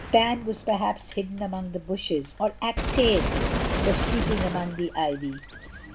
Pan was per haps hidden among the bushes or Actaeon was sleep ing among the ivy.